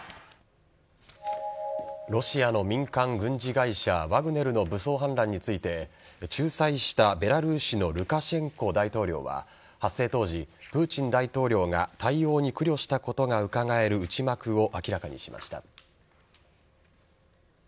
ロシアの民間軍事会社ワグネルの武装反乱について仲裁したベラルーシのルカシェンコ大統領は発生当時、プーチン大統領が対応に苦慮したことがうかがえる内幕を明らかにしました。